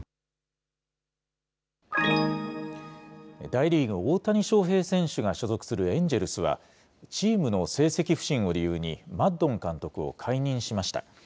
大リーグ、大谷翔平選手が所属するエンジェルスは、チームの成績不振を理由に、マッドン監督を解任しました。